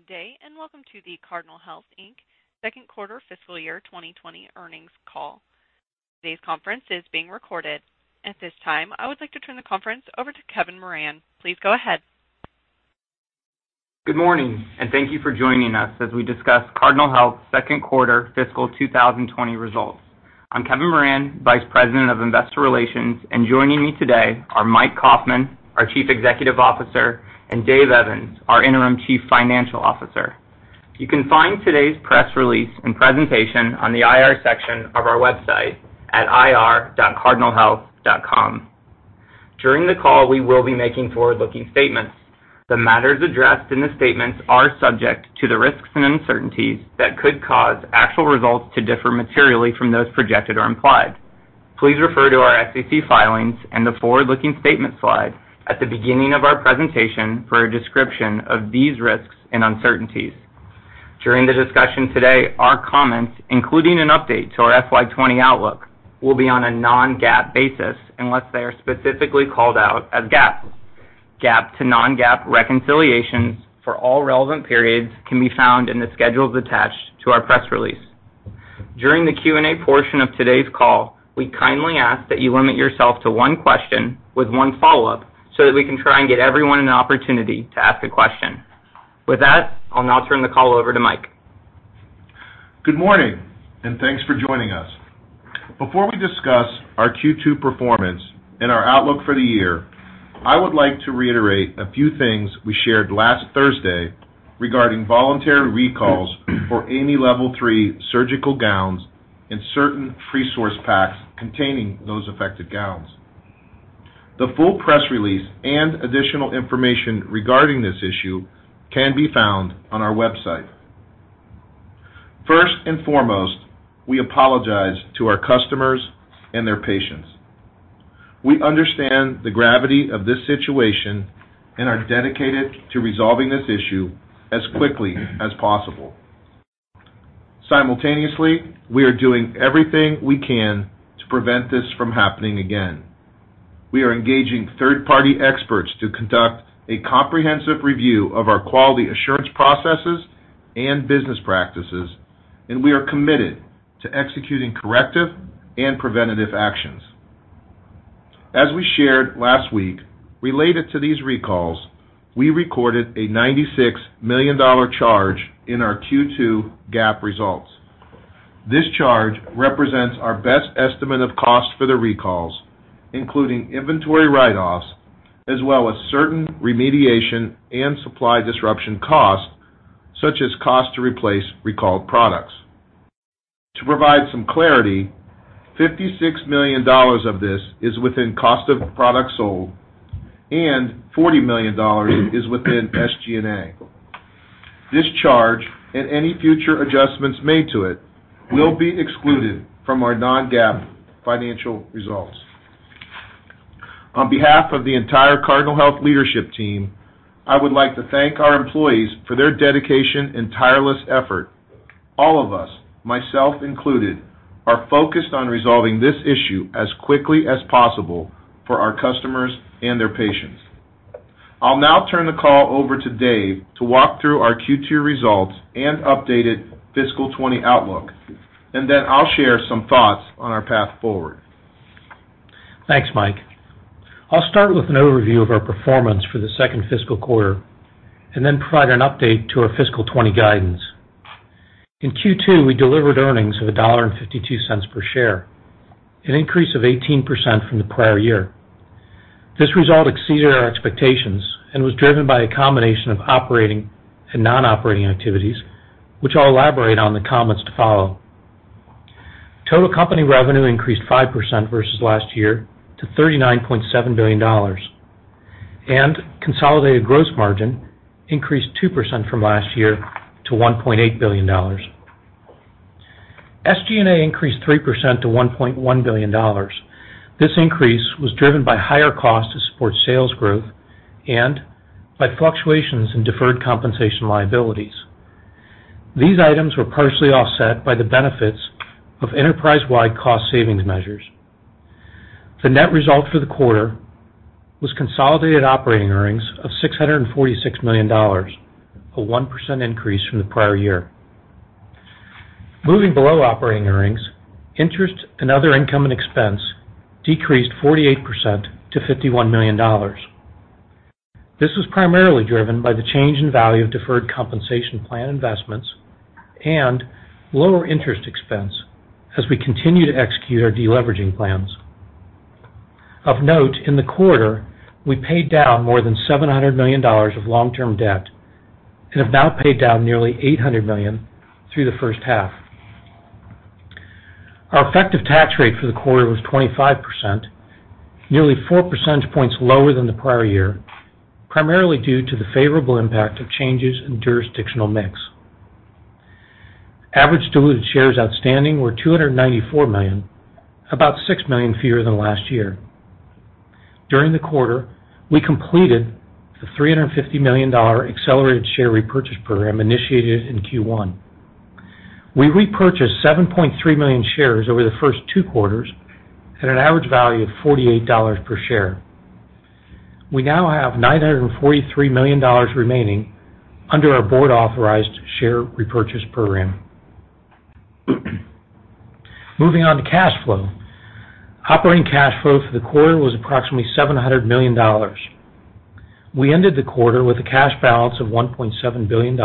Good day, and welcome to the Cardinal Health, Inc. second quarter fiscal year 2020 earnings call. Today's conference is being recorded. At this time, I would like to turn the conference over to Kevin Moran. Please go ahead. Good morning, and thank you for joining us as we discuss Cardinal Health second quarter fiscal 2020 results. I'm Kevin Moran, Vice President of Investor Relations, and joining me today are Mike Kaufmann, our Chief Executive Officer, and Dave Evans, our Interim Chief Financial Officer. You can find today's press release and presentation on the IR section of our website at ir.cardinalhealth.com. During the call, we will be making forward-looking statements. The matters addressed in the statements are subject to the risks and uncertainties that could cause actual results to differ materially from those projected or implied. Please refer to our SEC filings and the forward-looking statement slide at the beginning of our presentation for a description of these risks and uncertainties. During the discussion today, our comments, including an update to our FY 2020 outlook, will be on a non-GAAP basis unless they are specifically called out as GAAP. GAAP to non-GAAP reconciliations for all relevant periods can be found in the schedules attached to our press release. During the Q&A portion of today's call, we kindly ask that you limit yourself to one question with one follow-up so that we can try and get everyone an opportunity to ask a question. With that, I'll now turn the call over to Mike. Good morning, and thanks for joining us. Before we discuss our Q2 performance and our outlook for the year, I would like to reiterate a few things we shared last Thursday regarding voluntary recalls for any level three surgical gowns and certain procedure packs containing those affected gowns. The full press release and additional information regarding this issue can be found on our website. First and foremost, we apologize to our customers and their patients. We understand the gravity of this situation and are dedicated to resolving this issue as quickly as possible. Simultaneously, we are doing everything we can to prevent this from happening again. We are engaging third-party experts to conduct a comprehensive review of our quality assurance processes and business practices, and we are committed to executing corrective and preventative actions. As we shared last week, related to these recalls, we recorded a $96 million charge in our Q2 GAAP results. This charge represents our best estimate of cost for the recalls, including inventory write-offs, as well as certain remediation and supply disruption costs, such as cost to replace recalled products. To provide some clarity, $56 million of this is within cost of products sold and $40 million is within SG&A. This charge and any future adjustments made to it will be excluded from our non-GAAP financial results. On behalf of the entire Cardinal Health leadership team, I would like to thank our employees for their dedication and tireless effort. All of us, myself included, are focused on resolving this issue as quickly as possible for our customers and their patients. I'll now turn the call over to Dave to walk through our Q2 results and updated fiscal 2020 outlook, and then I'll share some thoughts on our path forward. Thanks, Mike. I'll start with an overview of our performance for the second fiscal quarter and then provide an update to our fiscal 20 guidance. In Q2, we delivered earnings of $1.52 per share, an increase of 18% from the prior year. This result exceeded our expectations and was driven by a combination of operating and non-operating activities, which I'll elaborate on the comments to follow. Total company revenue increased 5% versus last year to $39.7 billion, and consolidated gross margin increased 2% from last year to $1.8 billion. SG&A increased 3% to $1.1 billion. This increase was driven by higher costs to support sales growth and by fluctuations in deferred compensation liabilities. These items were partially offset by the benefits of enterprise-wide cost savings measures. The net result for the quarter was consolidated operating earnings of $646 million, a 1% increase from the prior year. Moving below operating earnings, interest and other income and expense decreased 48% to $51 million. This was primarily driven by the change in value of deferred compensation plan investments and lower interest expense as we continue to execute our de-leveraging plans. Of note, in the quarter, we paid down more than $700 million of long-term debt and have now paid down nearly $800 million through the first half. Our effective tax rate for the quarter was 25%, nearly four percentage points lower than the prior year, primarily due to the favorable impact of changes in jurisdictional mix. Average diluted shares outstanding were 294 million, about 6 million fewer than last year. During the quarter, we completed the $350 million accelerated share repurchase program initiated in Q1. We repurchased 7.3 million shares over the first two quarters at an average value of $48 per share. We now have $943 million remaining under our board-authorized share repurchase program. Moving on to cash flow. Operating cash flow for the quarter was approximately $700 million. We ended the quarter with a cash balance of $1.7 billion,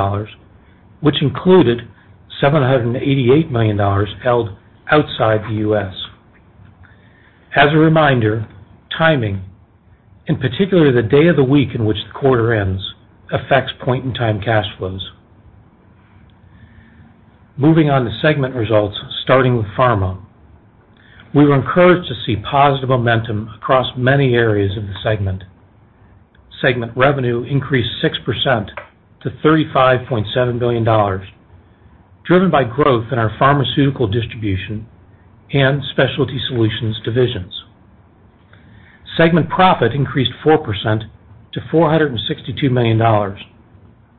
which included $788 million held outside the U.S. As a reminder, timing, in particular the day of the week in which the quarter ends, affects point-in-time cash flows. Moving on to segment results, starting with pharma. We were encouraged to see positive momentum across many areas of the segment. Segment revenue increased 6% to $35.7 billion, driven by growth in our pharmaceutical distribution and specialty solutions divisions. Segment profit increased 4% to $462 million,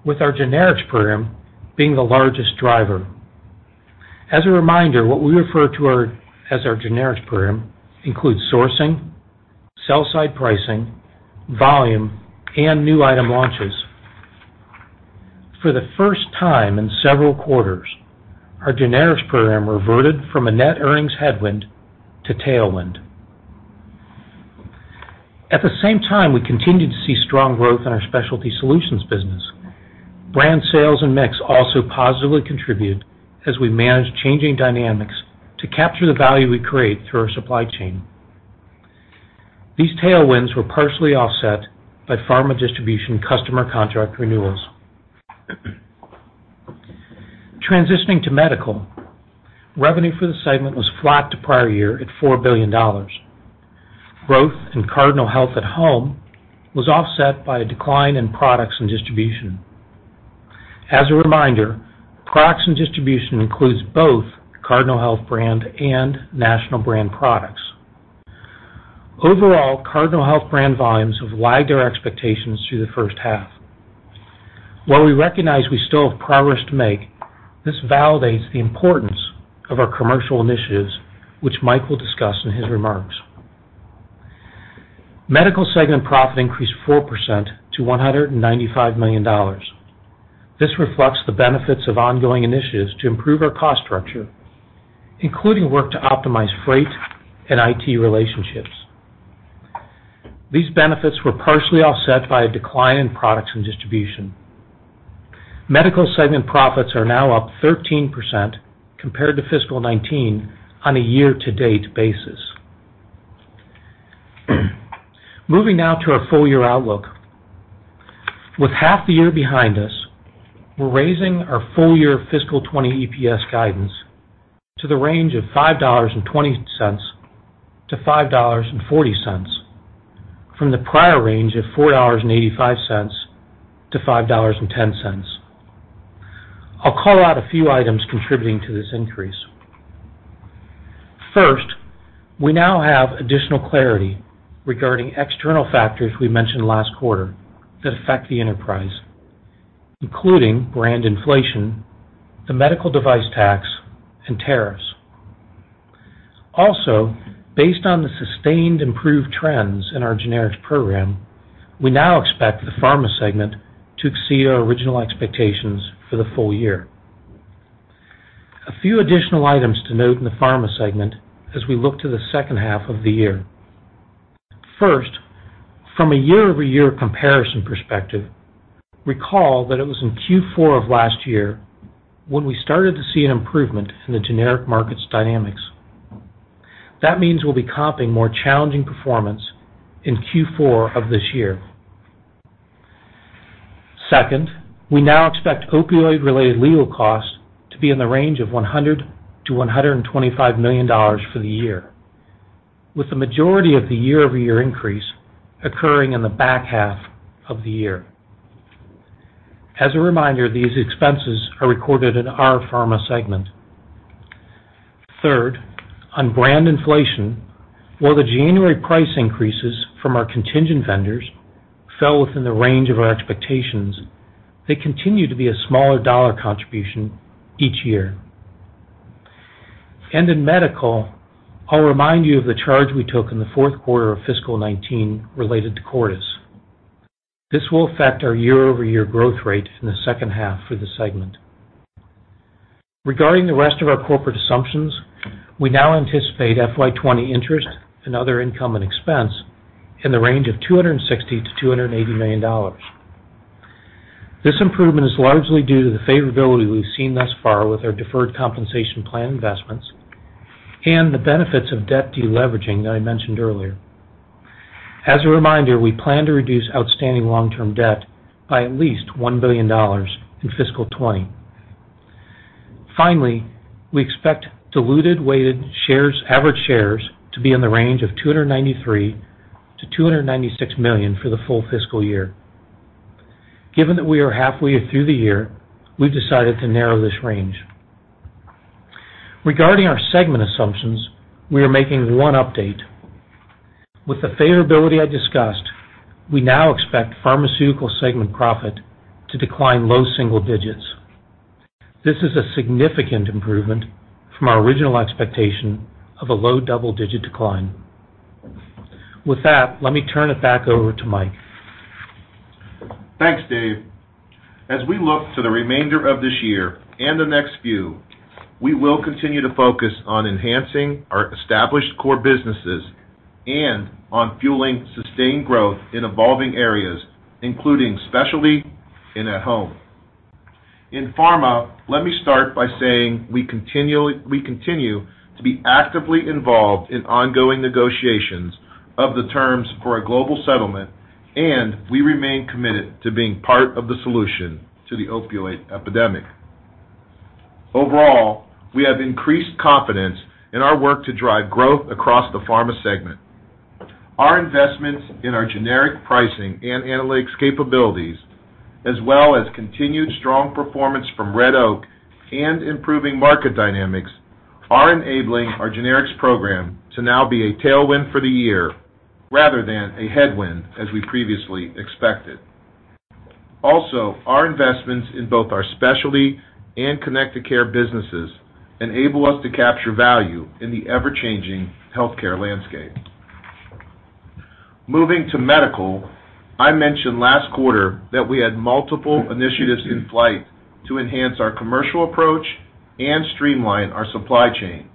with our generics program being the largest driver. As a reminder, what we refer to as our generics program includes sourcing, sell side pricing, volume, and new item launches. For the first time in several quarters, our generics program reverted from a net earnings headwind to tailwind. At the same time, we continued to see strong growth in our specialty solutions business. Brand sales and mix also positively contribute as we manage changing dynamics to capture the value we create through our supply chain. These tailwinds were partially offset by pharma distribution customer contract renewals. Transitioning to Medical. Revenue for the segment was flat to prior year at $4 billion. Growth in Cardinal Health at-Home was offset by a decline in products and distribution. As a reminder, products and distribution includes both Cardinal Health brand and national brand products. Overall, Cardinal Health brand volumes have lagged our expectations through the first half. While we recognize we still have progress to make, this validates the importance of our commercial initiatives, which Mike will discuss in his remarks. Medical Segment profit increased 4% to $195 million. This reflects the benefits of ongoing initiatives to improve our cost structure, including work to optimize freight and IT relationships. These benefits were partially offset by a decline in products and distribution. Medical Segment profits are now up 13% compared to fiscal 2019 on a year-to-date basis. Moving now to our full-year outlook. With half the year behind us, we're raising our full-year FY 2020 EPS guidance to the range of $5.20-$5.40 from the prior range of $4.85-$5.10. I'll call out a few items contributing to this increase. First, we now have additional clarity regarding external factors we mentioned last quarter that affect the enterprise, including brand inflation, the medical device tax, and tariffs. Based on the sustained improved trends in our generics program, we now expect the pharma segment to exceed our original expectations for the full year. A few additional items to note in the pharma segment as we look to the second half of the year. From a year-over-year comparison perspective, recall that it was in Q4 of last year when we started to see an improvement in the generic market dynamics. That means we'll be comping more challenging performance in Q4 of this year. We now expect opioid-related legal costs to be in the range of $100 million-$125 million for the year, with the majority of the year-over-year increase occurring in the back half of the year. As a reminder, these expenses are recorded in our pharma segment. Third, on brand inflation, while the January price increases from our contingent vendors fell within the range of our expectations, they continue to be a smaller dollar contribution each year. In medical, I'll remind you of the charge we took in the fourth quarter of fiscal 2019 related to Cordis. This will affect our year-over-year growth rate in the second half for the segment. Regarding the rest of our corporate assumptions, we now anticipate FY 2020 interest in other income and expense in the range of $260 million-$280 million. This improvement is largely due to the favorability we've seen thus far with our deferred compensation plan investments and the benefits of debt deleveraging that I mentioned earlier. As a reminder, we plan to reduce outstanding long-term debt by at least $1 billion in fiscal 2020. Finally, we expect diluted weighted average shares to be in the range of $293 million-$296 million for the full fiscal year. Given that we are halfway through the year, we've decided to narrow this range. Regarding our segment assumptions, we are making one update. With the favorability I discussed, we now expect pharmaceutical segment profit to decline low single digits. This is a significant improvement from our original expectation of a low double-digit decline. With that, let me turn it back over to Mike. Thanks, Dave. As we look to the remainder of this year and the next few, we will continue to focus on enhancing our established core businesses and on fueling sustained growth in evolving areas, including specialty and at-Home. In Pharma, let me start by saying we continue to be actively involved in ongoing negotiations of the terms for a global settlement. We remain committed to being part of the solution to the opioid epidemic. Overall, we have increased confidence in our work to drive growth across the Pharma segment. Our investments in our generic pricing and analytics capabilities, as well as continued strong performance from Red Oak and improving market dynamics, are enabling our generics program to now be a tailwind for the year rather than a headwind as we previously expected. Also, our investments in both our specialty and connected care businesses enable us to capture value in the ever-changing healthcare landscape. Moving to Medical, I mentioned last quarter that we had multiple initiatives in flight to enhance our commercial approach and streamline our supply chain.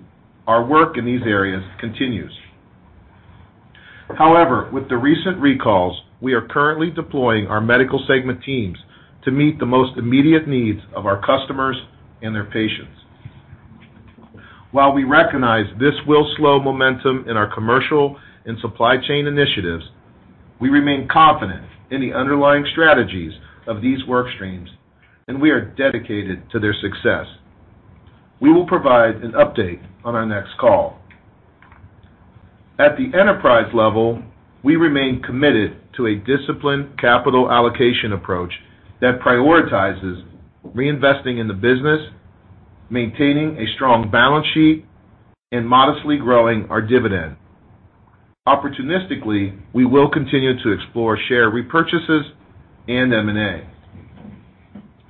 Our work in these areas continues. However, with the recent recalls, we are currently deploying our Medical Segment teams to meet the most immediate needs of our customers and their patients. While we recognize this will slow momentum in our commercial and supply chain initiatives, we remain confident in the underlying strategies of these work streams, and we are dedicated to their success. We will provide an update on our next call. At the enterprise level, we remain committed to a disciplined capital allocation approach that prioritizes reinvesting in the business, maintaining a strong balance sheet, and modestly growing our dividend. Opportunistically, we will continue to explore share repurchases and M&A.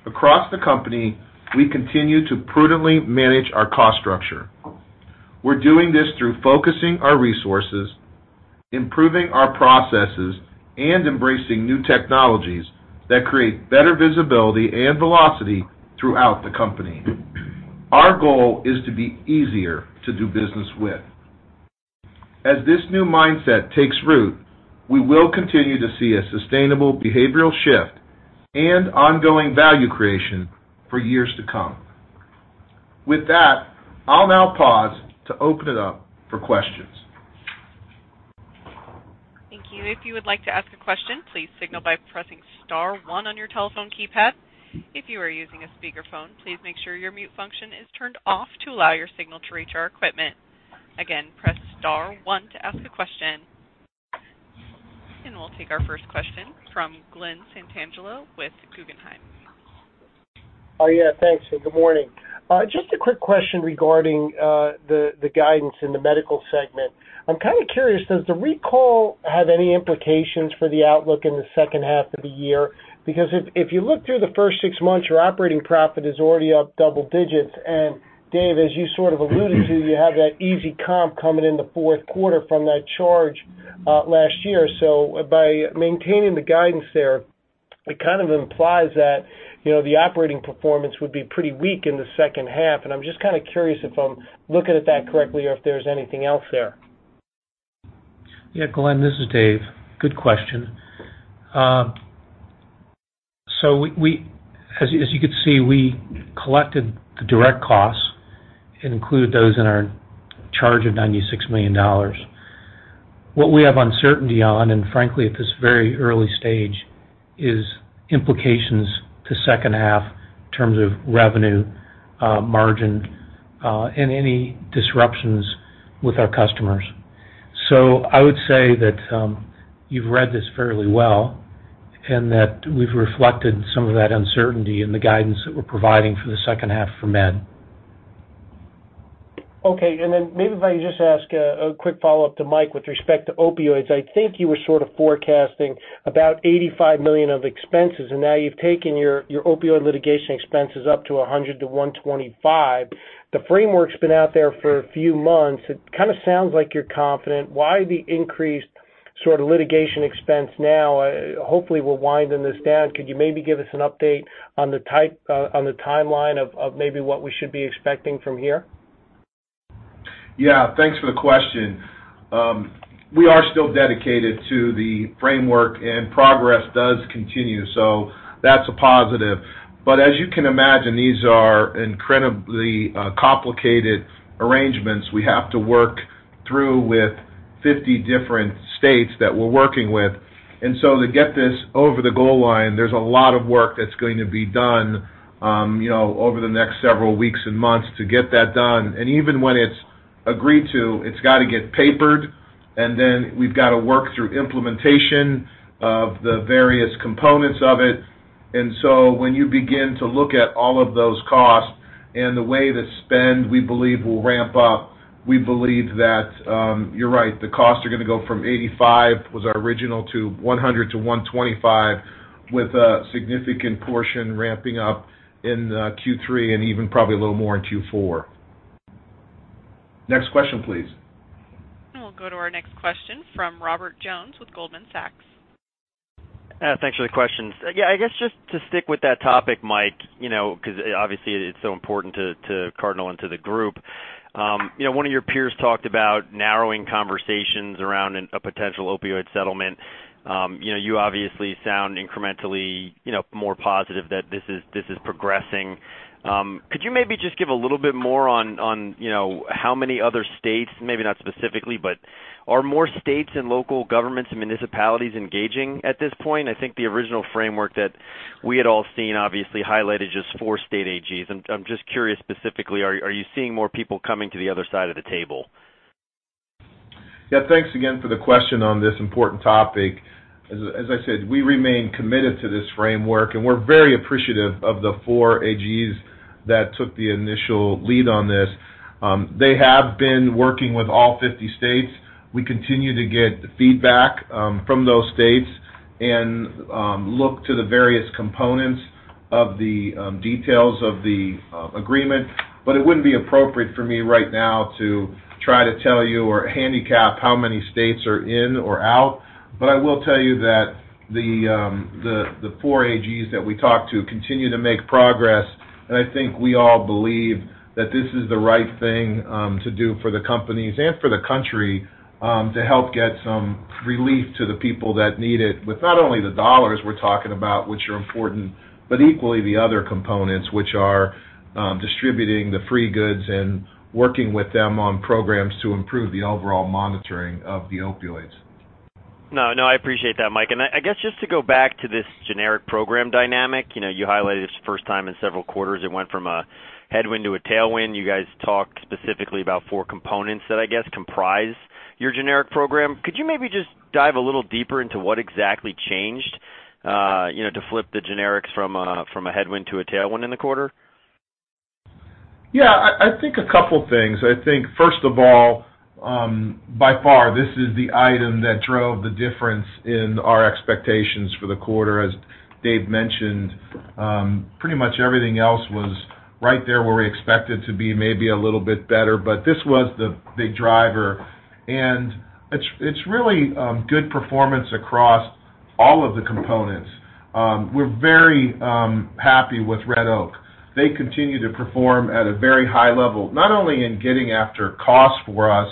Across the company, we continue to prudently manage our cost structure. We're doing this through focusing our resources, improving our processes, and embracing new technologies that create better visibility and velocity throughout the company. Our goal is to be easier to do business with. As this new mindset takes root, we will continue to see a sustainable behavioral shift and ongoing value creation for years to come. With that, I'll now pause to open it up for questions. Thank you. If you would like to ask a question, please signal by pressing star one on your telephone keypad. If you are using a speakerphone, please make sure your mute function is turned off to allow your signal to reach our equipment. Again, press star one to ask a question. We'll take our first question from Glen Santangelo with Guggenheim. Oh, yeah. Thanks, and good morning. Just a quick question regarding the guidance in the Medical Segment. I'm kind of curious, does the recall have any implications for the outlook in the second half of the year? If you look through the first six months, your operating profit is already up double-digits. Dave, as you sort of alluded to, you have that easy comp coming in the fourth quarter from that charge last year. By maintaining the guidance there, it kind of implies that the operating performance would be pretty weak in the second half, and I'm just kind of curious if I'm looking at that correctly or if there's anything else there. Yeah, Glen, this is Dave. Good question. As you could see, we collected the direct costs and included those in our charge of $96 million. What we have uncertainty on, and frankly, at this very early stage, is implications to second half in terms of revenue, margin, and any disruptions with our customers. I would say that you've read this fairly well and that we've reflected some of that uncertainty in the guidance that we're providing for the second half for Med-Surg. Okay. Then maybe if I could just ask a quick follow-up to Mike with respect to opioids. I think you were sort of forecasting about $85 million of expenses, and now you've taken your opioid litigation expenses up to $100 million to $125 million. The framework's been out there for a few months. It kind of sounds like you're confident. Why the increased sort of litigation expense now? Hopefully, we're winding this down. Could you maybe give us an update on the timeline of maybe what we should be expecting from here? Thanks for the question. We are still dedicated to the framework. Progress does continue, that's a positive. As you can imagine, these are incredibly complicated arrangements we have to work through with 50 different states that we're working with. To get this over the goal line, there's a lot of work that's going to be done over the next several weeks and months to get that done. Even when it's agreed to, it's got to get papered, and then we've got to work through implementation of the various components of it. When you begin to look at all of those costs and the way the spend, we believe will ramp up, we believe that you're right, the costs are going to go from $85, was our original, to $100-$125, with a significant portion ramping up in Q3 and even probably a little more in Q4. Next question, please. We'll go to our next question from Robert Jones with Goldman Sachs. Thanks for the questions. Yeah, I guess just to stick with that topic, Mike, because obviously it's so important to Cardinal Health and to the group. One of your peers talked about narrowing conversations around a potential opioid settlement. You obviously sound incrementally more positive that this is progressing. Could you maybe just give a little bit more on how many other states, maybe not specifically, but are more states and local governments and municipalities engaging at this point? I think the original framework that we had all seen obviously highlighted just four state AGs. I'm just curious, specifically, are you seeing more people coming to the other side of the table? Yeah. Thanks again for the question on this important topic. As I said, we remain committed to this framework, and we're very appreciative of the four AGs that took the initial lead on this. They have been working with all 50 states. We continue to get feedback from those states and look to the various components of the details of the agreement. It wouldn't be appropriate for me right now to try to tell you or handicap how many states are in or out. I will tell you that the four AGs that we talk to continue to make progress, and I think we all believe that this is the right thing to do for the companies and for the country, to help get some relief to the people that need it with not only the dollars we're talking about, which are important, but equally the other components, which are distributing the free goods and working with them on programs to improve the overall monitoring of the opioids. No, I appreciate that, Mike. I guess just to go back to this generic program dynamic. You highlighted it's the first time in several quarters it went from a headwind to a tailwind. You guys talked specifically about four components that I guess comprise your generic program. Could you maybe just dive a little deeper into what exactly changed to flip the generics from a headwind to a tailwind in the quarter? I think a couple things. I think first of all, by far, this is the item that drove the difference in our expectations for the quarter. As Dave mentioned, pretty much everything else was right there where we expected to be, maybe a little bit better, but this was the big driver, and it's really good performance across all of the components. We're very happy with Red Oak. They continue to perform at a very high level, not only in getting after cost for us,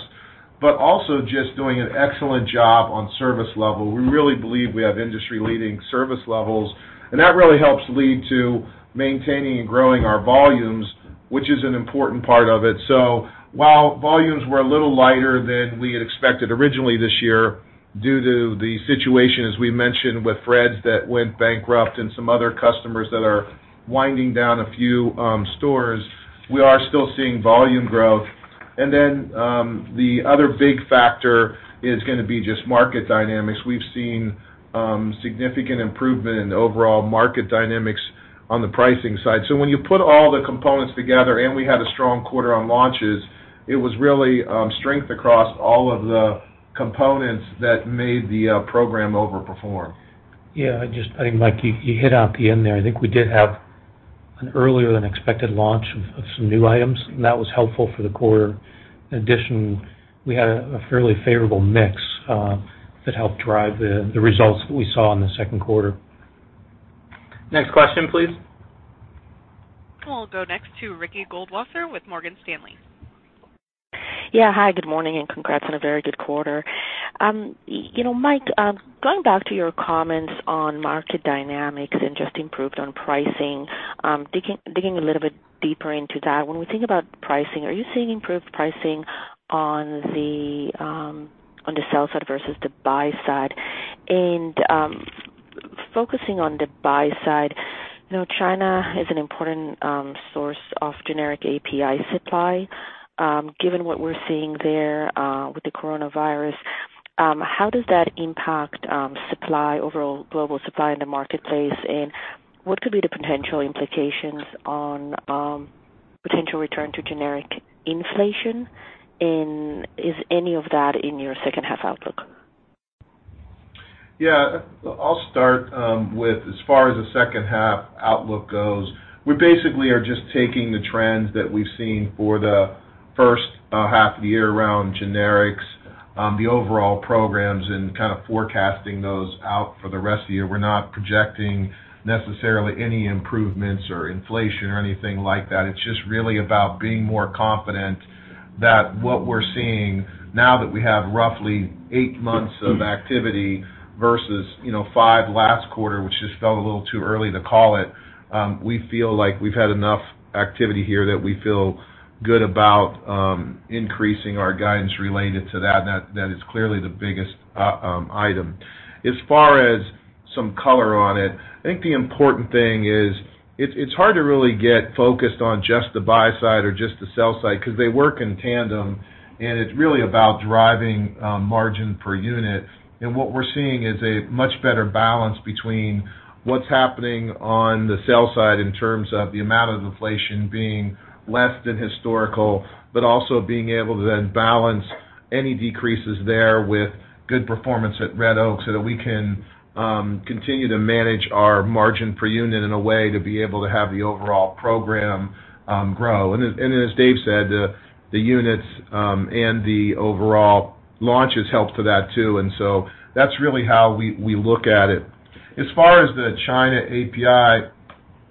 but also just doing an excellent job on service level. We really believe we have industry-leading service levels, and that really helps lead to maintaining and growing our volumes, which is an important part of it. While volumes were a little lighter than we had expected originally this year, due to the situation, as we mentioned, with Fred's that went bankrupt and some other customers that are winding down a few stores, we are still seeing volume growth. Then, the other big factor is going to be just market dynamics. We've seen significant improvement in the overall market dynamics on the pricing side. When you put all the components together, and we had a strong quarter on launches, it was really strength across all of the components that made the program over-perform. Yeah, I think, Mike, you hit on it at the end there. I think we did have an earlier than expected launch of some new items, and that was helpful for the quarter. In addition, we had a fairly favorable mix that helped drive the results that we saw in the second quarter. Next question, please. We'll go next to Ricky Goldwasser with Morgan Stanley. Yeah. Hi, good morning, and congrats on a very good quarter. Mike, going back to your comments on market dynamics and just improved on pricing. Digging a little bit deeper into that, when we think about pricing, are you seeing improved pricing on the sell side versus the buy side? Focusing on the buy side, China is an important source of generic API supply. Given what we're seeing there with the coronavirus, how does that impact overall global supply in the marketplace, and what could be the potential implications on potential return to generic inflation? Is any of that in your second half outlook? I'll start with, as far as the second half outlook goes, we basically are just taking the trends that we've seen for the first half of the year around generics, the overall programs, and kind of forecasting those out for the rest of the year. We're not projecting necessarily any improvements or inflation or anything like that. It's just really about being more confident that what we're seeing now that we have roughly 8 months of activity versus five last quarter, which just felt a little too early to call it. We feel like we've had enough activity here that we feel good about increasing our guidance related to that, and that is clearly the biggest item. As far as some color on it, I think the important thing is it's hard to really get focused on just the buy side or just the sell side, because they work in tandem, and it's really about driving margin per unit. What we're seeing is a much better balance between what's happening on the sales side in terms of the amount of inflation being less than historical, but also being able to then balance any decreases there with good performance at Red Oak so that we can continue to manage our margin per unit in a way to be able to have the overall program grow. As Dave said, the units and the overall launches help to that too. That's really how we look at it. As far as the China API,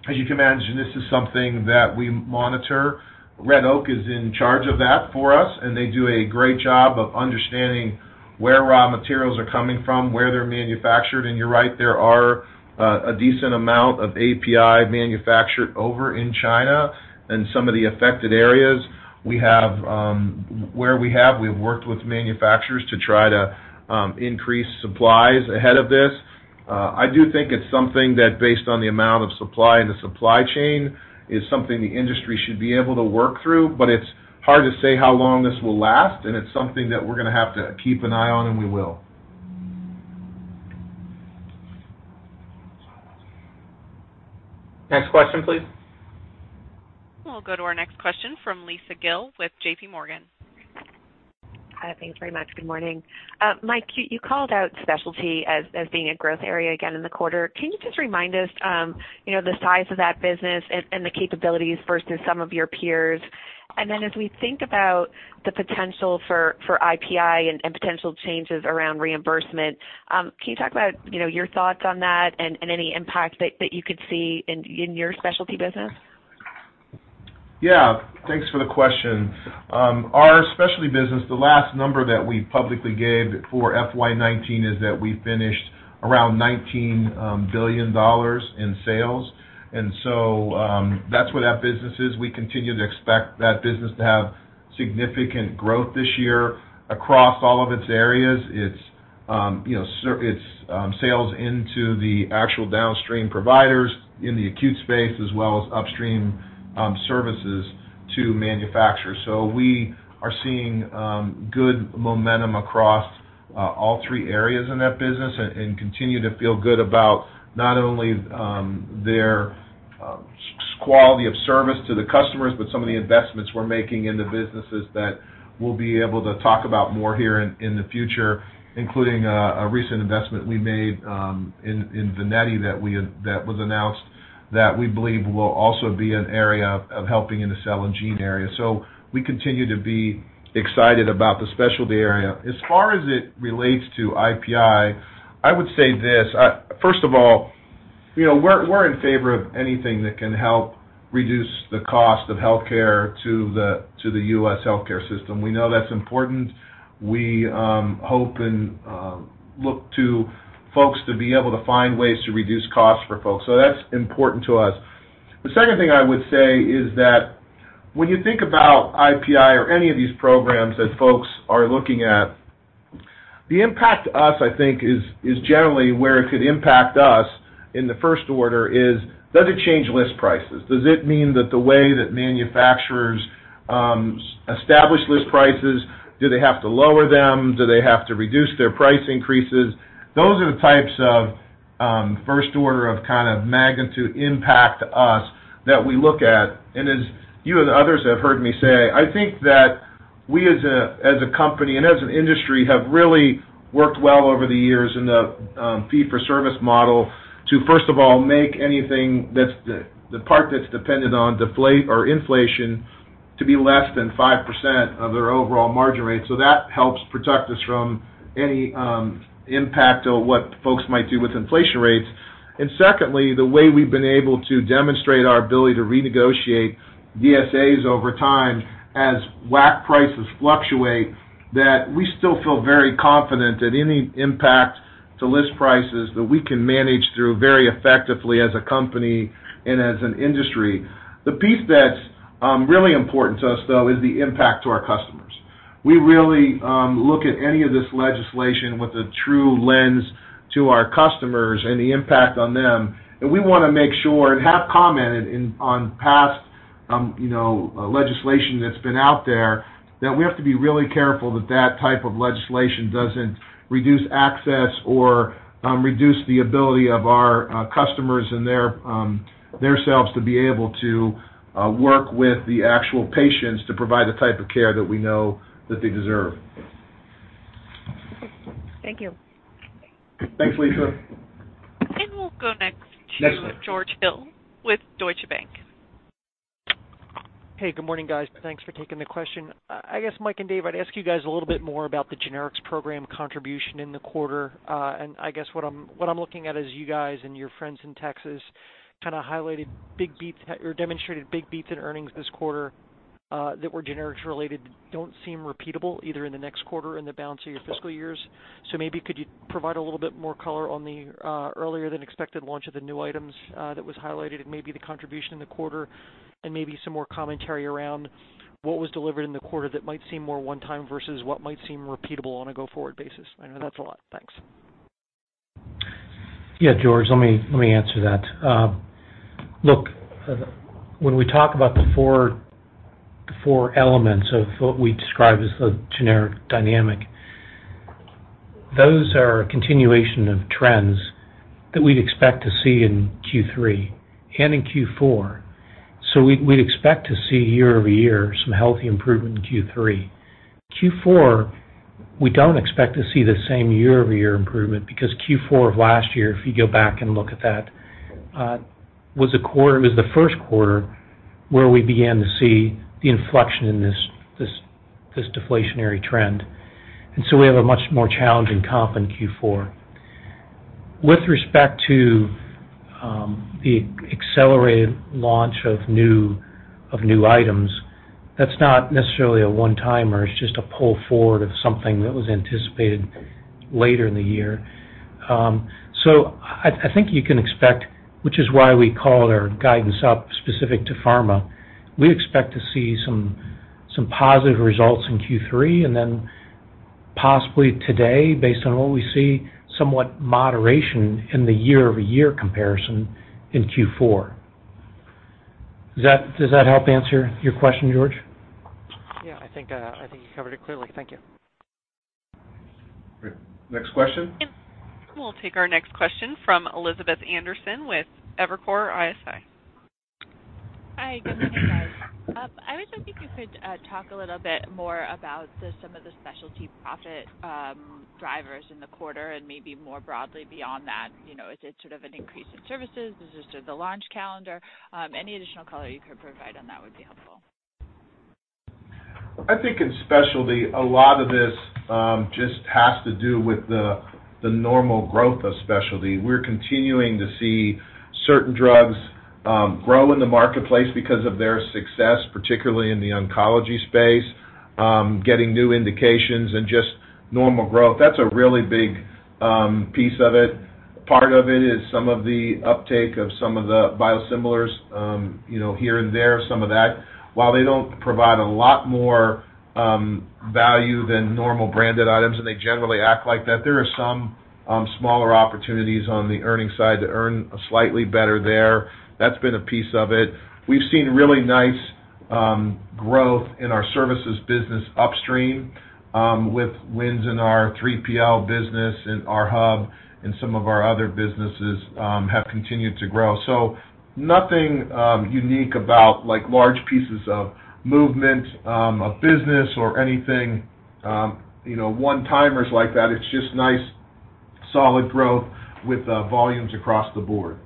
as you can imagine, this is something that we monitor. Red Oak is in charge of that for us. They do a great job of understanding where raw materials are coming from, where they're manufactured. You're right, there are a decent amount of API manufactured over in China and some of the affected areas. We've worked with manufacturers to try to increase supplies ahead of this. I do think it's something that based on the amount of supply in the supply chain, is something the industry should be able to work through. It's hard to say how long this will last, it's something that we're going to have to keep an eye on, and we will. Next question, please. We'll go to our next question from Lisa Gill with JPMorgan. Hi, thanks very much. Good morning. Mike, you called out specialty as being a growth area again in the quarter. Can you just remind us the size of that business and the capabilities versus some of your peers? As we think about the potential for IPI and potential changes around reimbursement, can you talk about your thoughts on that and any impact that you could see in your specialty business? Yeah. Thanks for the question. Our specialty business, the last number that we publicly gave for FY 2019 is that we finished around $19 billion in sales. That's where that business is. We continue to expect that business to have significant growth this year across all of its areas, its sales into the actual downstream providers in the acute space, as well as upstream services to manufacturers. We are seeing good momentum across all three areas in that business and continue to feel good about not only their quality of service to the customers, but some of the investments we're making in the businesses that we'll be able to talk about more here in the future, including a recent investment we made in Vineti that was announced that we believe will also be an area of helping in the cell and gene area. We continue to be excited about the specialty area. As far as it relates to IPI, I would say this, first of all, we're in favor of anything that can help reduce the cost of healthcare to the U.S. healthcare system. We know that's important. We hope and look to folks to be able to find ways to reduce costs for folks. That's important to us. The second thing I would say is that when you think about IPI or any of these programs that folks are looking at, the impact to us, I think is generally where it could impact us in the first order is, does it change list prices? Does it mean that the way that manufacturers establish list prices, do they have to lower them? Do they have to reduce their price increases? Those are the types of first order of magnitude impact to us that we look at. As you and others have heard me say, I think that we as a company and as an industry, have really worked well over the years in the fee-for-service model to first of all, make anything that's the part that's dependent on inflation to be less than 5% of their overall margin rate. That helps protect us from any impact of what folks might do with inflation rates. Secondly, the way we've been able to demonstrate our ability to renegotiate DSAs over time as WAC prices fluctuate, that we still feel very confident that any impact to list prices, that we can manage through very effectively as a company and as an industry. The piece that's really important to us, though, is the impact to our customers. We really look at any of this legislation with a true lens to our customers and the impact on them. We want to make sure, and have commented on past legislation that's been out there, that we have to be really careful that type of legislation doesn't reduce access or reduce the ability of our customers and themselves to be able to work with the actual patients to provide the type of care that we know that they deserve. Thank you. Thanks, Lisa. We'll go next to. Next one. George Hill with Deutsche Bank. Hey, good morning, guys. Thanks for taking the question. I guess, Mike and Dave, I'd ask you guys a little bit more about the generics program contribution in the quarter. I guess what I'm looking at is you guys and your friends in Texas demonstrated big beats in earnings this quarter, that were generics related, don't seem repeatable either in the next quarter or in the balance of your fiscal years. Maybe could you provide a little bit more color on the earlier than expected launch of the new items that was highlighted and maybe the contribution in the quarter and maybe some more commentary around what was delivered in the quarter that might seem more one time versus what might seem repeatable on a go-forward basis? I know that's a lot. Thanks. Yeah, George, let me answer that. Look, when we talk about the four elements of what we describe as the generic dynamic, those are a continuation of trends that we'd expect to see in Q3 and in Q4. We'd expect to see year-over-year some healthy improvement in Q3. Q4, we don't expect to see the same year-over-year improvement because Q4 of last year, if you go back and look at that, was the first quarter where we began to see the inflection in this deflationary trend. We have a much more challenging comp in Q4. With respect to the accelerated launch of new items, that's not necessarily a one-timer. It's just a pull forward of something that was anticipated later in the year. I think you can expect, which is why we called our guidance up specific to pharma, we expect to see some positive results in Q3, and then possibly today, based on what we see, somewhat moderation in the year-over-year comparison in Q4. Does that help answer your question, George? Yeah, I think you covered it clearly. Thank you. Great. Next question. We'll take our next question from Elizabeth Anderson with Evercore ISI. Hi, good morning, guys. I was hoping you could talk a little bit more about some of the specialty profit drivers in the quarter and maybe more broadly beyond that. Is it sort of an increase in services? Is this just the launch calendar? Any additional color you could provide on that would be helpful. I think in specialty, a lot of this just has to do with the normal growth of specialty. We're continuing to see certain drugs grow in the marketplace because of their success, particularly in the oncology space, getting new indications and just normal growth. That's a really big piece of it. Part of it is some of the uptake of some of the biosimilars here and there, some of that. While they don't provide a lot more value than normal branded items, and they generally act like that, there are some smaller opportunities on the earnings side to earn slightly better there. That's been a piece of it. We've seen really nice growth in our services business upstream, with wins in our 3PL business and our hub, and some of our other businesses have continued to grow. Nothing unique about large pieces of movement of business or anything one-timers like that. It's just nice solid growth with volumes across the board.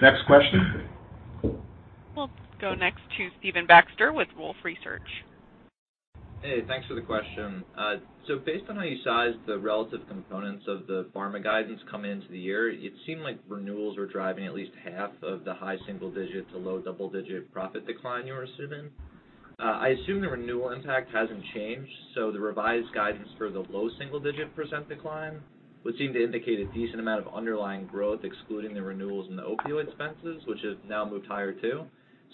Thank you. That's helpful. Next question. We'll go next to Stephen Baxter with Wolfe Research. Hey, thanks for the question. Based on how you sized the relative components of the pharma guidance coming into the year, it seemed like renewals were driving at least half of the high single-digit to low double-digit profit decline you were assuming. I assume the renewal impact hasn't changed, the revised guidance for the low single-digit percentage decline would seem to indicate a decent amount of underlying growth, excluding the renewals and the opioid expenses, which have now moved higher, too.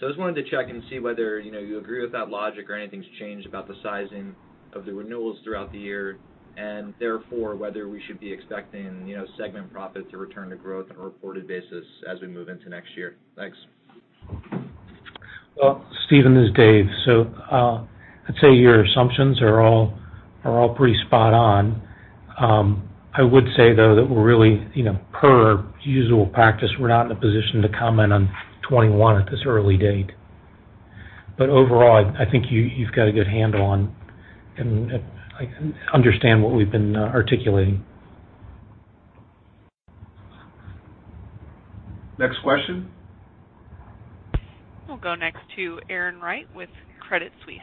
I just wanted to check and see whether you agree with that logic or anything's changed about the sizing of the renewals throughout the year, and therefore, whether we should be expecting segment profit to return to growth on a reported basis as we move into next year. Thanks. Stephen, this is Dave. I'd say your assumptions are all pretty spot on. I would say, though, that we're really, per usual practice, we're not in a position to comment on 2021 at this early date. Overall, I think you've got a good handle on and understand what we've been articulating. Next question. We'll go next to Erin Wright with Credit Suisse.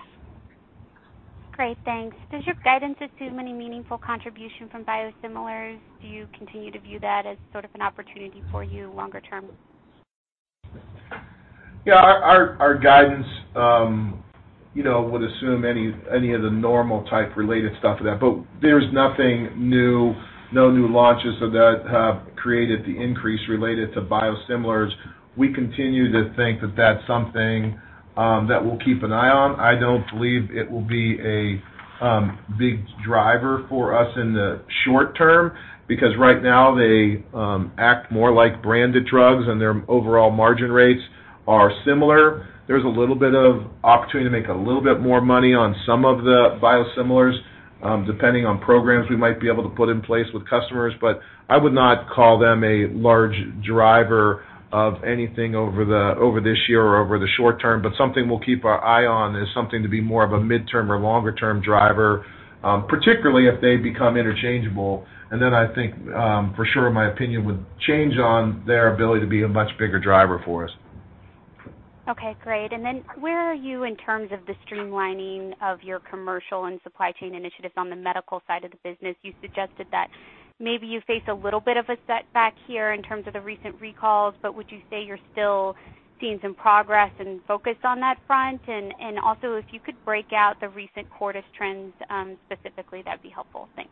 Great, thanks. Does your guidance assume any meaningful contribution from biosimilars? Do you continue to view that as sort of an opportunity for you longer term? Yeah, our guidance would assume any of the normal type related stuff to that. There's nothing new, no new launches that have created the increase related to biosimilars. We continue to think that that's something that we'll keep an eye on. I don't believe it will be a big driver for us in the short term, because right now they act more like branded drugs, and their overall margin rates are similar. There's a little bit of opportunity to make a little bit more money on some of the biosimilars, depending on programs we might be able to put in place with customers. I would not call them a large driver of anything over this year or over the short term. Something we'll keep our eye on as something to be more of a midterm or longer-term driver, particularly if they become interchangeable, and then I think for sure my opinion would change on their ability to be a much bigger driver for us. Okay, great. Where are you in terms of the streamlining of your commercial and supply chain initiatives on the medical side of the business? You suggested that maybe you face a little bit of a setback here in terms of the recent recalls, would you say you're still seeing some progress and focus on that front? If you could break out the recent Cordis trends specifically, that'd be helpful. Thanks.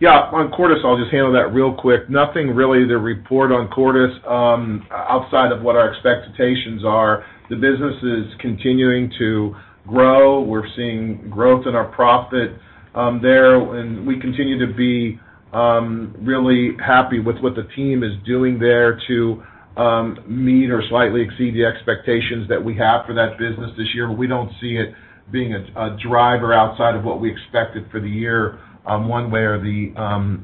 Yeah. On Cordis, I'll just handle that real quick. Nothing really to report on Cordis outside of what our expectations are. The business is continuing to grow. We're seeing growth in our profit there, and we continue to be really happy with what the team is doing there to meet or slightly exceed the expectations that we have for that business this year, but we don't see it being a driver outside of what we expected for the year one way or the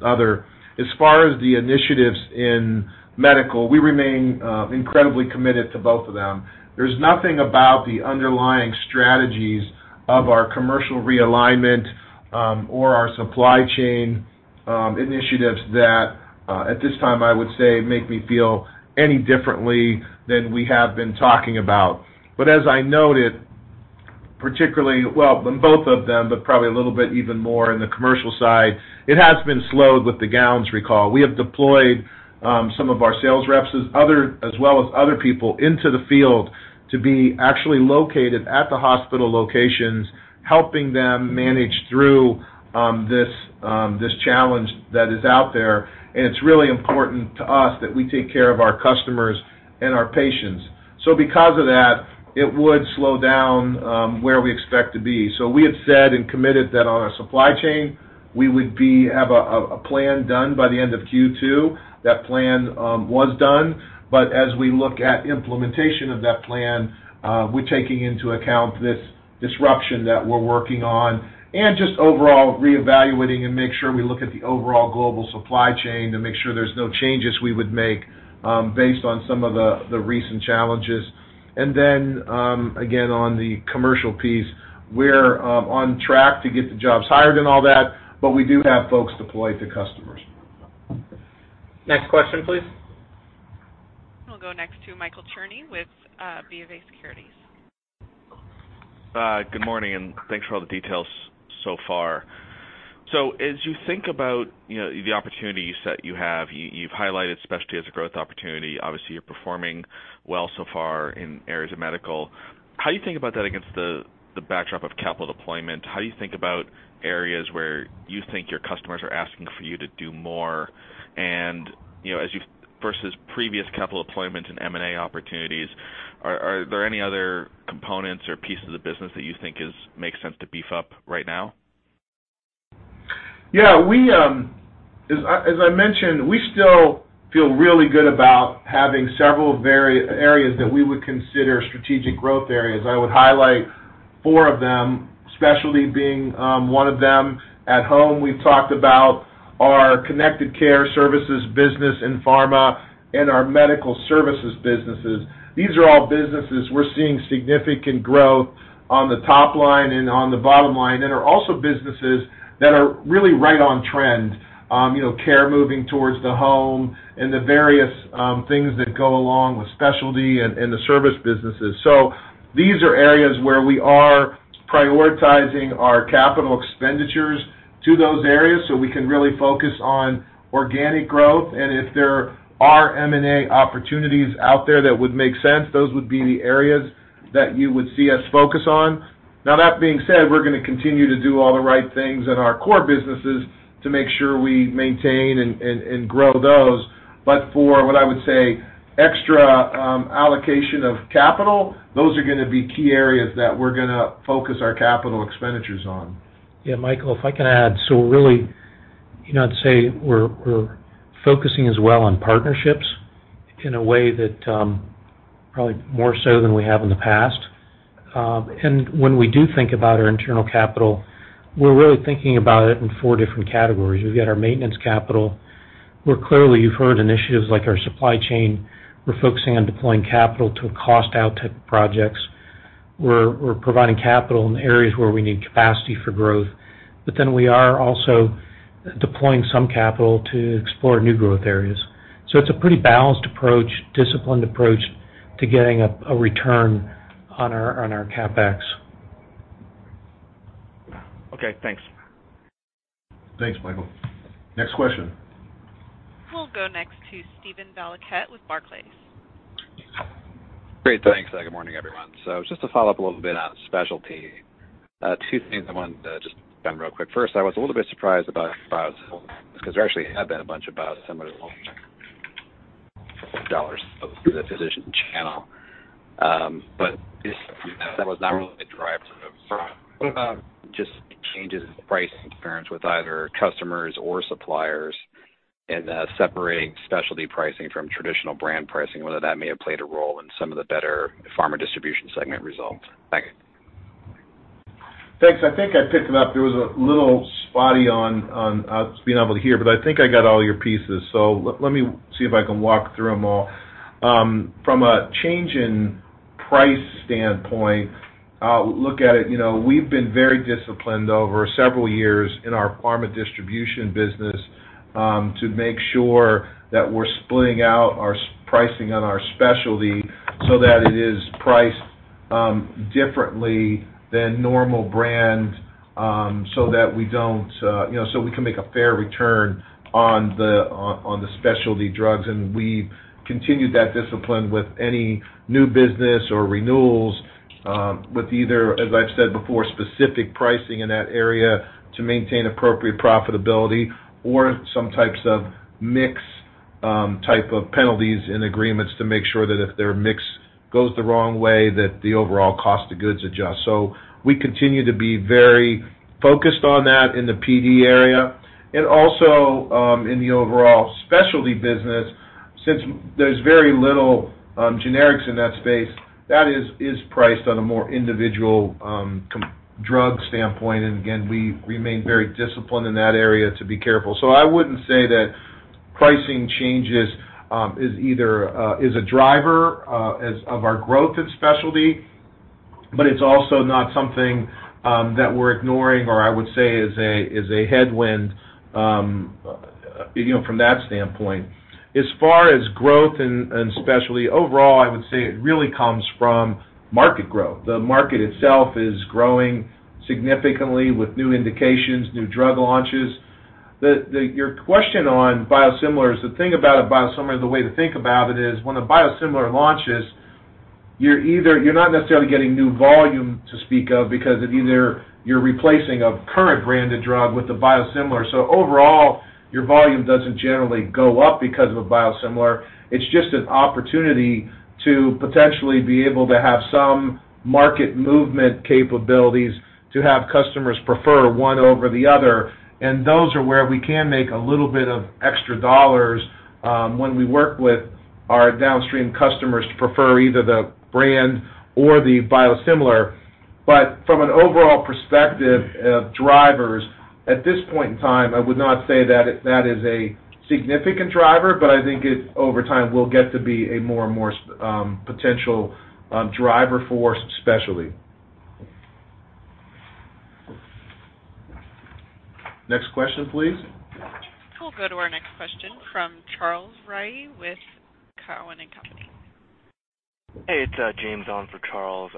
other. As far as the initiatives in Medical, we remain incredibly committed to both of them. There's nothing about the underlying strategies of our commercial realignment or our supply chain initiatives that, at this time, I would say, make me feel any differently than we have been talking about. As I noted, both of them, but probably a little bit even more in the commercial side, it has been slowed with the gowns recall. We have deployed some of our sales reps, as well as other people into the field to be actually located at the hospital locations, helping them manage through this challenge that is out there. It's really important to us that we take care of our customers and our patients. Because of that, it would slow down where we expect to be. We had said and committed that on our supply chain, we would have a plan done by the end of Q2. That plan was done. As we look at implementation of that plan, we're taking into account this disruption that we're working on and just overall reevaluating and make sure we look at the overall global supply chain to make sure there's no changes we would make based on some of the recent challenges. Then, again, on the commercial piece, we're on track to get the jobs hired and all that, but we do have folks deployed to customers. Next question, please. We'll go next to Michael Cherny with BofA Securities. Good morning. Thanks for all the details so far. As you think about the opportunities that you have, you've highlighted specialty as a growth opportunity. Obviously, you're performing well so far in areas of Medical. How do you think about that against the backdrop of capital deployment? How do you think about areas where you think your customers are asking for you to do more? Versus previous capital deployment and M&A opportunities, are there any other components or pieces of business that you think makes sense to beef up right now? Yeah. As I mentioned, we still feel really good about having several areas that we would consider strategic growth areas. I would highlight four of them, Specialty being one of them. At Home, we've talked about our connected care services business in Pharma and our Medical Services businesses. These are all businesses we're seeing significant growth on the top line and on the bottom line, and are also businesses that are really right on trend. Care moving towards the home and the various things that go along with Specialty and the service businesses. These are areas where we are prioritizing our capital expenditures to those areas so we can really focus on organic growth. If there are M&A opportunities out there that would make sense, those would be the areas that you would see us focus on. Now, that being said, we're going to continue to do all the right things in our core businesses to make sure we maintain and grow those. For what I would say, extra allocation of capital, those are going to be key areas that we're going to focus our capital expenditures on. Yeah, Michael, if I can add. Really, I'd say we're focusing as well on partnerships in a way that probably more so than we have in the past. When we do think about our internal capital, we're really thinking about it in four different categories. We've got our maintenance capital, where clearly you've heard initiatives like our supply chain. We're focusing on deploying capital to cost out to projects. We're providing capital in areas where we need capacity for growth. We are also deploying some capital to explore new growth areas. It's a pretty balanced approach, disciplined approach to getting a return on our CapEx. Okay, thanks. Thanks, Michael. Next question. We'll go next to Steven Valiquette with Barclays. Great. Thanks. Good morning, everyone. Just to follow up a little bit on specialty, two things I wanted to just run real quick. First, I was a little bit surprised about because there actually had been a bunch of biosimilar dollars through the physician channel. That was not really a driver. What about just changes in price terms with either customers or suppliers and separating specialty pricing from traditional brand pricing, whether that may have played a role in some of the better pharma distribution segment results? Thank you. Thanks. I think I picked it up. It was a little spotty on us being able to hear, but I think I got all your pieces. Let me see if I can walk through them all. From a change in price standpoint, I'll look at it. We've been very disciplined over several years in our pharma distribution business to make sure that we're splitting out our pricing on our specialty so that it is priced differently than normal brand, so we can make a fair return on the specialty drugs. We've continued that discipline with any new business or renewals with either, as I've said before, specific pricing in that area to maintain appropriate profitability or some types of mix-type of penalties and agreements to make sure that if their mix goes the wrong way, that the overall cost of goods adjusts. We continue to be very focused on that in the PD area and also in the overall specialty business. Since there's very little generics in that space, that is priced on a more individual drug standpoint. Again, we remain very disciplined in that area to be careful. I wouldn't say that pricing changes is a driver of our growth in specialty, but it's also not something that we're ignoring or I would say is a headwind from that standpoint. As far as growth in specialty overall, I would say it really comes from market growth. The market itself is growing significantly with new indications, new drug launches. Your question on biosimilars, the thing about a biosimilar, the way to think about it is, when a biosimilar launches, you're not necessarily getting new volume to speak of because either you're replacing a current branded drug with a biosimilar. Overall, your volume doesn't generally go up because of a biosimilar. It's just an opportunity to potentially be able to have some market movement capabilities to have customers prefer one over the other. Those are where we can make a little bit of extra dollars, when we work with our downstream customers to prefer either the brand or the biosimilar. From an overall perspective of drivers at this point in time, I would not say that is a significant driver, but I think it, over time, will get to be a more and more potential driver for specialty. Next question, please. We'll go to our next question from Charles Rhyee with Cowen and Company. Hey, it's James on for Charles.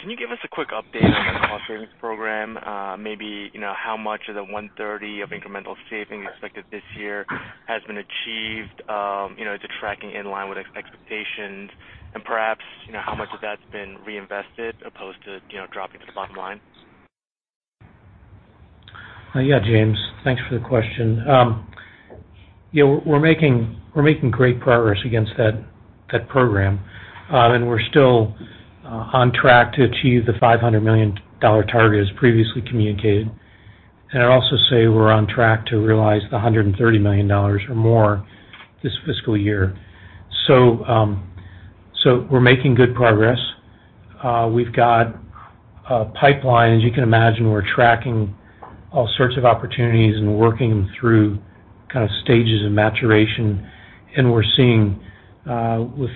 Can you give us a quick update on the cost savings program? Maybe how much of the $130 of incremental savings expected this year has been achieved? Is it tracking in line with expectations? Perhaps, how much of that's been reinvested as opposed to dropping to the bottom line? Yeah, James. Thanks for the question. We're making great progress against that program. We're still on track to achieve the $500 million target, as previously communicated. I'd also say we're on track to realize the $130 million or more this fiscal year. We're making good progress. We've got a pipeline, as you can imagine. We're tracking all sorts of opportunities and working through stages of maturation, and we're seeing with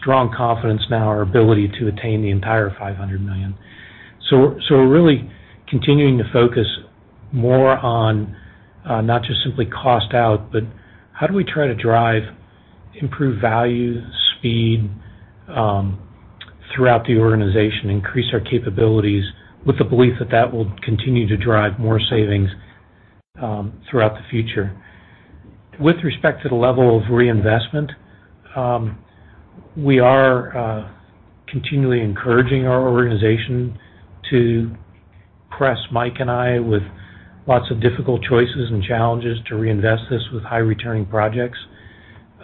strong confidence now our ability to attain the entire $500 million. We're really continuing to focus more on not just simply cost out, but how do we try to drive improved value, speed throughout the organization, increase our capabilities with the belief that that will continue to drive more savings throughout the future. With respect to the level of reinvestment, we are continually encouraging our organization to press Mike and I with lots of difficult choices and challenges to reinvest this with high-returning projects.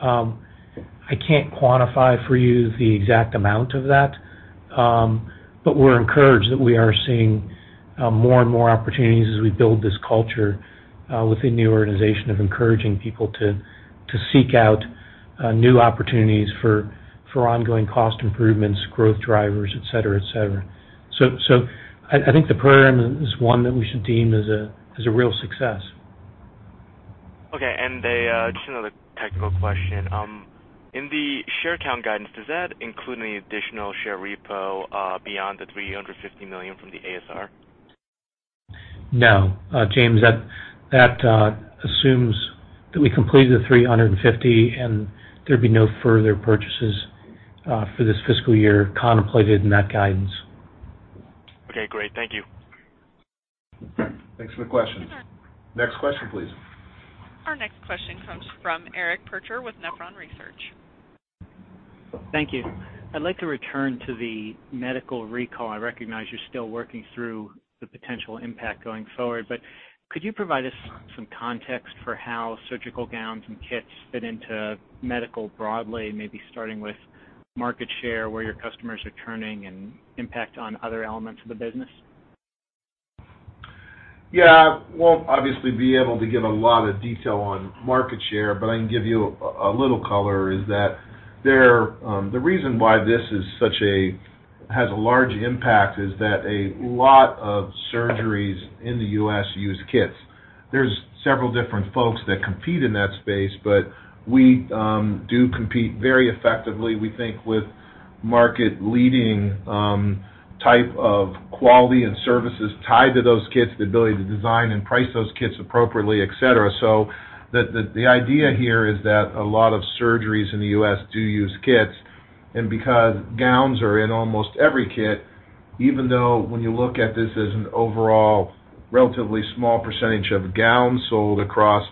I can't quantify for you the exact amount of that. We're encouraged that we are seeing more and more opportunities as we build this culture within the organization of encouraging people to seek out new opportunities for ongoing cost improvements, growth drivers, et cetera. I think the program is one that we should deem as a real success. Okay. Just another technical question. In the share count guidance, does that include any additional share repo beyond the $350 million from the ASR? No. James, that assumes that we complete the $350, and there'd be no further purchases for this fiscal year contemplated in that guidance. Okay, great. Thank you. Thanks for the question. Sure. Next question, please. Our next question comes from Eric Percher with Nephron Research. Thank you. I'd like to return to the medical recall. I recognize you're still working through the potential impact going forward, could you provide us some context for how surgical gowns and kits fit into medical broadly, maybe starting with market share, where your customers are turning, and impact on other elements of the business? Yeah. I won't obviously be able to give a lot of detail on market share, but I can give you a little color, is that the reason why this has a large impact is that a lot of surgeries in the U.S. use kits. There's several different folks that compete in that space, but we do compete very effectively, we think, with market-leading type of quality and services tied to those kits, the ability to design and price those kits appropriately, et cetera. The idea here is that a lot of surgeries in the U.S. do use kits, and because gowns are in almost every kit, even though when you look at this as an overall relatively small percentage of gowns sold across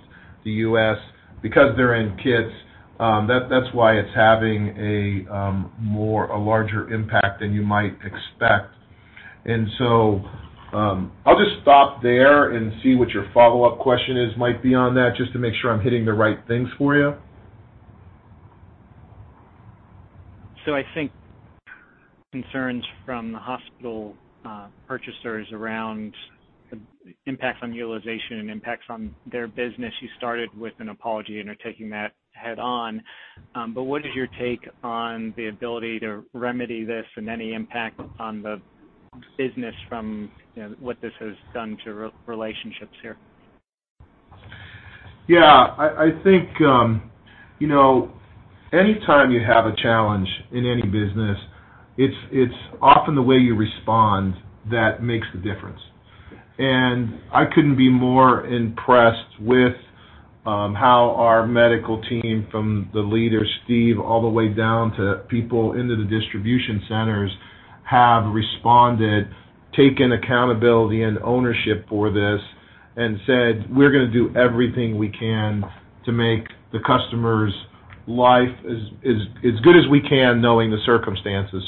the U.S., because they're in kits, that's why it's having a larger impact than you might expect. I'll just stop there and see what your follow-up question is, might be on that, just to make sure I'm hitting the right things for you. I think concerns from the hospital purchasers around the impact on utilization and impacts on their business, you started with an apology and are taking that head on. What is your take on the ability to remedy this and any impact on the business from what this has done to relationships here? Yeah, I think anytime you have a challenge in any business, it's often the way you respond that makes the difference. I couldn't be more impressed with how our medical team, from the leader, Steve, all the way down to people into the distribution centers, have responded, taken accountability and ownership for this and said, "We're going to do everything we can to make the customer's life as good as we can, knowing the circumstances."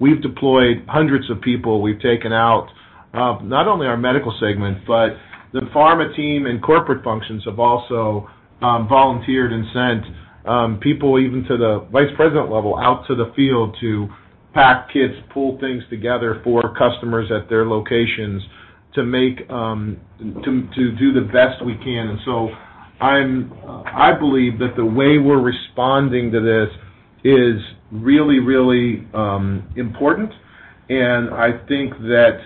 We've deployed hundreds of people. We've taken out not only our Medical Segment, but the pharma team and corporate functions have also volunteered and sent people, even to the Vice President level, out to the field to pack kits, pull things together for customers at their locations to do the best we can. I believe that the way we're responding to this is really important, and I think that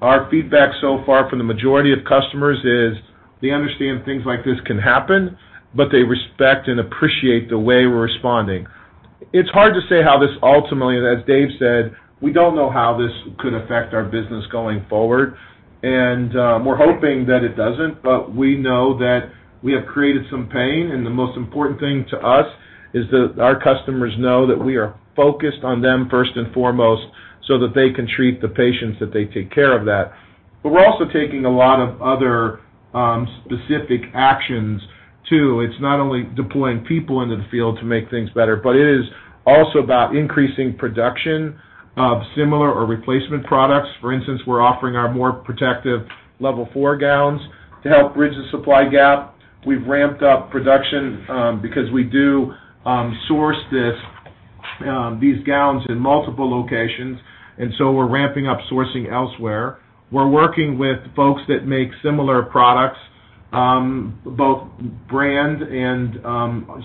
our feedback so far from the majority of customers is they understand things like this can happen, but they respect and appreciate the way we're responding. It's hard to say how this ultimately, as Dave said, we don't know how this could affect our business going forward, and we're hoping that it doesn't. We know that we have created some pain, and the most important thing to us is that our customers know that we are focused on them first and foremost so that they can treat the patients that they take care of. We're also taking a lot of other specific actions, too. It's not only deploying people into the field to make things better, but it is also about increasing production of similar or replacement products. For instance, we're offering our more protective level 4 gowns to help bridge the supply gap. We've ramped up production because we do source these gowns in multiple locations. We're ramping up sourcing elsewhere. We're working with folks that make similar products, both brand and,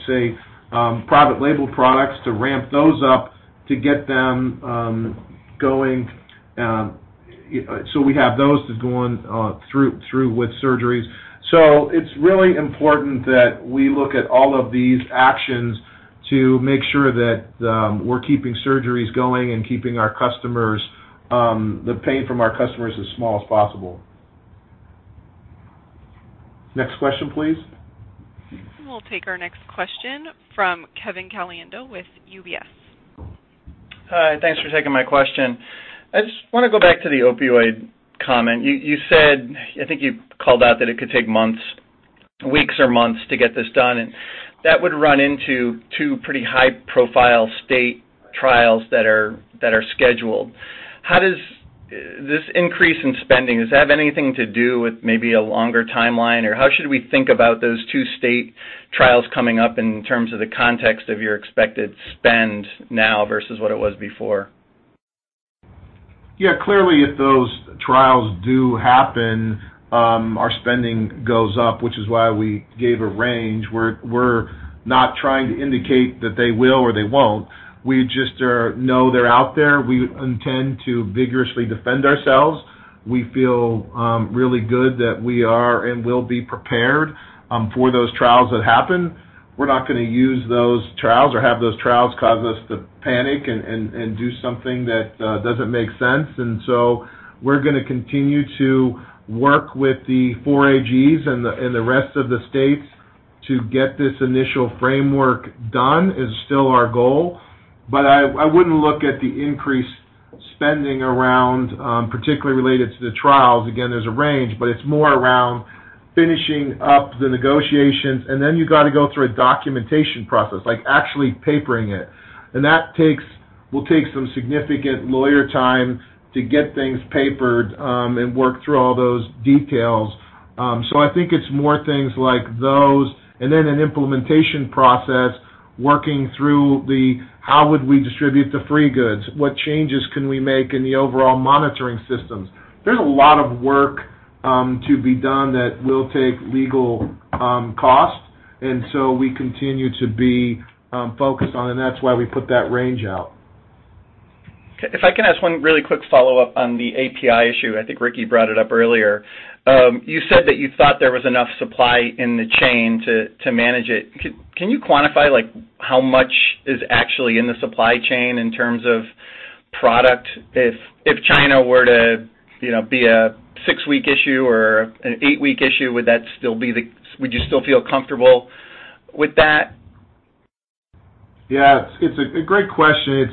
say, private label products, to ramp those up to get them going. We have those going through with surgeries. It's really important that we look at all of these actions to make sure that we're keeping surgeries going and keeping the pain from our customers as small as possible. Next question, please. We'll take our next question from Kevin Caliendo with UBS. Hi, thanks for taking my question. I just want to go back to the opioid comment. You said, I think you called out that it could take weeks or months to get this done, and that would run into two pretty high-profile state trials that are scheduled. How does this increase in spending, does it have anything to do with maybe a longer timeline? Or how should we think about those two state trials coming up in terms of the context of your expected spend now versus what it was before? Yeah, clearly, if those trials do happen, our spending goes up, which is why we gave a range. We're not trying to indicate that they will or they won't. We just know they're out there. We intend to vigorously defend ourselves. We feel really good that we are and will be prepared for those trials that happen. We're not going to use those trials or have those trials cause us to panic and do something that doesn't make sense. We're going to continue to work with the four AGs and the rest of the states to get this initial framework done is still our goal. I wouldn't look at the increased spending around, particularly related to the trials. Again, there's a range, but it's more around finishing up the negotiations, and then you got to go through a documentation process, like actually papering it. That will take some significant lawyer time to get things papered and work through all those details. I think it's more things like those and then an implementation process working through the how would we distribute the free goods? What changes can we make in the overall monitoring systems? There's a lot of work to be done that will take legal cost. We continue to be focused on, and that's why we put that range out. If I can ask one really quick follow-up on the API issue, I think Ricky brought it up earlier. You said that you thought there was enough supply in the chain to manage it. Can you quantify how much is actually in the supply chain in terms of product? If China were to be a six-week issue or an eight-week issue, would you still feel comfortable with that? Yeah, it's a great question.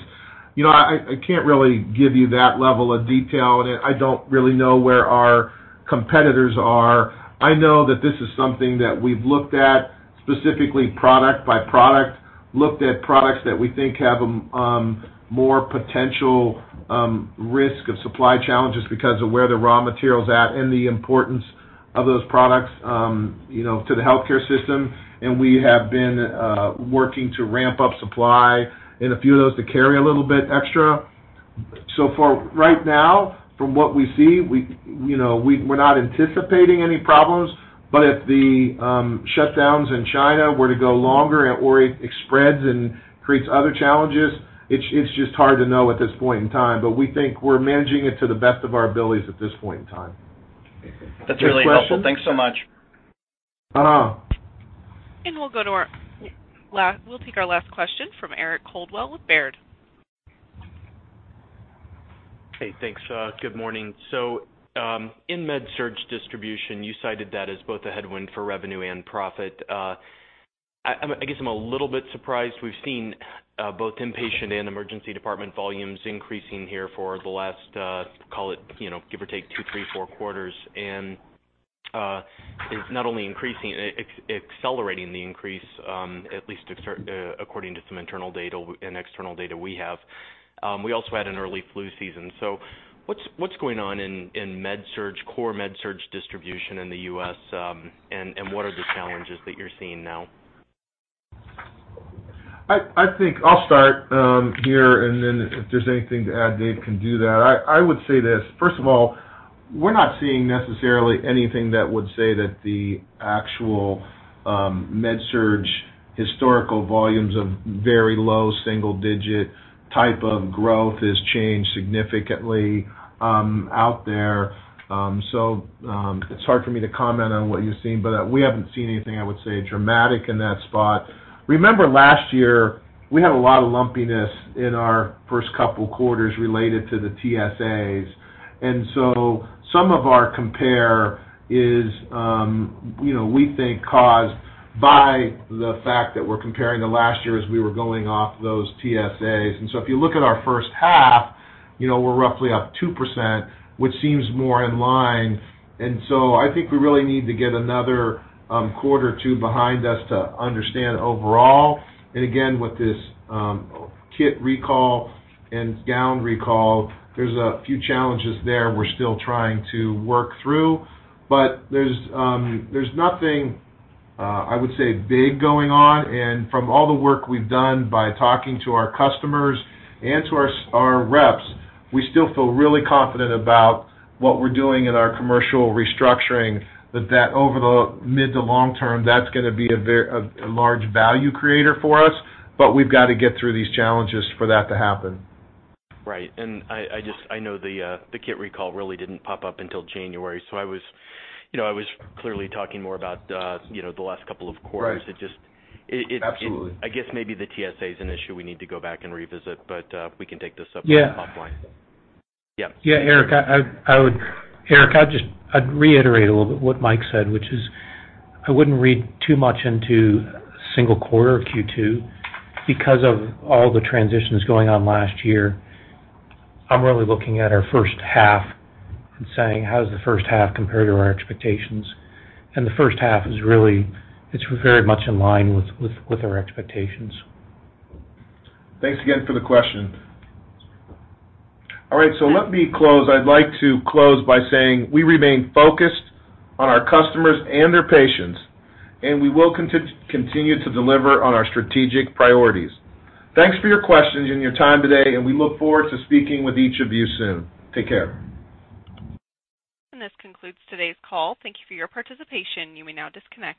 I can't really give you that level of detail, and I don't really know where our competitors are. I know that this is something that we've looked at, specifically product by product, looked at products that we think have more potential risk of supply challenges because of where the raw material's at and the importance of those products to the healthcare system. We have been working to ramp up supply in a few of those to carry a little bit extra. For right now, from what we see, we're not anticipating any problems, but if the shutdowns in China were to go longer or it spreads and creates other challenges, it's just hard to know at this point in time. We think we're managing it to the best of our abilities at this point in time. That's really helpful. Thanks so much. We'll take our last question from Eric Coldwell with Baird. Hey, thanks. Good morning. In Med-Surg distribution, you cited that as both a headwind for revenue and profit. I guess I'm a little bit surprised. We've seen both inpatient and emergency department volumes increasing here for the last, call it, give or take, two, three, four quarters, and it's not only increasing, it's accelerating the increase, at least according to some internal data and external data we have. We also had an early flu season. What's going on in core Med-Surg distribution in the U.S., and what are the challenges that you're seeing now? I think I'll start here, and then if there's anything to add, Dave can do that. I would say this, first of all, we're not seeing necessarily anything that would say that the actual Med-Surg historical volumes of very low single-digit type of growth has changed significantly out there. It's hard for me to comment on what you're seeing, but we haven't seen anything, I would say, dramatic in that spot. Remember last year, we had a lot of lumpiness in our first couple of quarters related to the TSAs, and so some of our compare is, we think, caused by the fact that we're comparing to last year as we were going off those TSAs. If you look at our first half, we're roughly up 2%, which seems more in line, and so I think we really need to get another quarter or two behind us to understand overall. Again, with this kit recall and gown recall, there's a few challenges there we're still trying to work through. There's nothing, I would say, big going on, and from all the work we've done by talking to our customers and to our reps, we still feel really confident about what we're doing in our commercial restructuring, that over the mid to long term, that's going to be a large value creator for us, but we've got to get through these challenges for that to happen. Right. I know the kit recall really didn't pop up until January, so I was clearly talking more about the last couple of quarters. Right. Absolutely. I guess maybe the TSA is an issue we need to go back and revisit, but we can take this up offline. Yeah. Yeah, Eric, I'd reiterate a little bit what Mike said, which is I wouldn't read too much into a single quarter or Q2 because of all the transitions going on last year. I'm really looking at our first half and saying, "How does the first half compare to our expectations?" The first half is really very much in line with our expectations. Thanks again for the question. All right. Let me close. I'd like to close by saying we remain focused on our customers and their patients, and we will continue to deliver on our strategic priorities. Thanks for your questions and your time today, and we look forward to speaking with each of you soon. Take care. This concludes today's call. Thank you for your participation. You may now disconnect.